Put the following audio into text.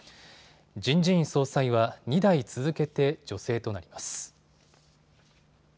人事院総裁は２代続けて女性となります。